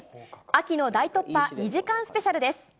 秋の大突破２時間スペシャルです。